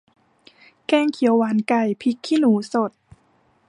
แกงเขียวหวานไก่พริกขี้หนูสด